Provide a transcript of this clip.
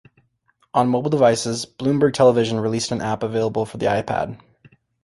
On mobile devices, Bloomberg Television released an app available for the iPad.